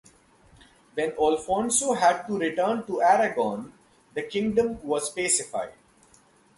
When Alfonso had to return to Aragon, the kingdom was pacified.